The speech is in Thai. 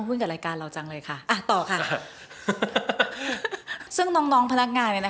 วันนึง๕๐กล่อง๑๐๐กล่องอะไรงี้